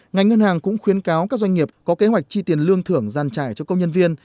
ngành ngân hàng cũng khuyến cáo các doanh nghiệp có kế hoạch chi tiền lương thưởng giàn trải cho công nhân viên